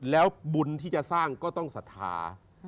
แล้วบุญที่จะสร้างก็ต้องศรัทธา